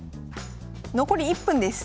残り１分です。